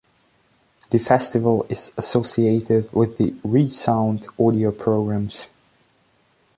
The festival is associated with the "Re:sound" audio programs.